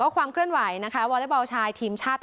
ความเคลื่อนไหวนะคะวอเล็กบอลชายทีมชาติ